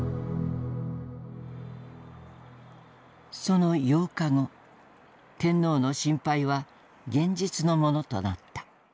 その８日後天皇の心配は現実のものとなった。